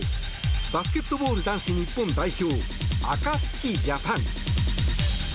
バスケットボール男子日本代表アカツキジャパン。